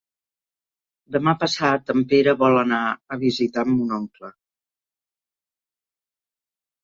Demà passat en Pere vol anar a visitar mon oncle.